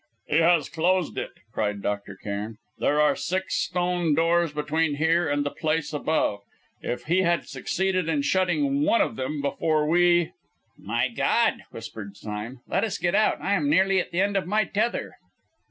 "He has closed it!" cried Dr. Cairn. "There are six stone doors between here and the place above! If he had succeeded in shutting one of them before we ?" "My God!" whispered Sime. "Let us get out! I am nearly at the end of my tether!"